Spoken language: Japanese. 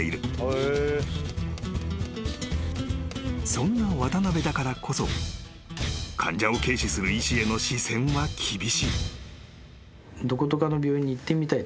［そんな渡邊だからこそ患者を軽視する医師への視線は厳しい］